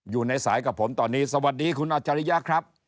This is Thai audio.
อยู่ในสายกับผมตอนนี้สวัสดีคุณอัจฉริยะครับ